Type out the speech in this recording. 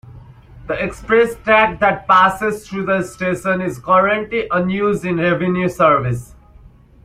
The express track that passes through the station is currently unused in revenue service.